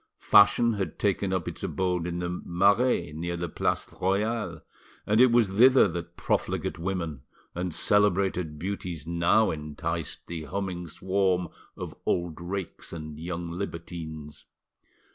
Fashion had taken up its abode in the Marais, near the Place Royale, and it was thither that profligate women and celebrated beauties now enticed the humming swarm of old rakes and young libertines.